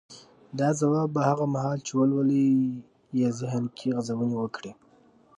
دا ځواب به هغه مهال چې لولئ يې ذهن کې غځونې وکړي.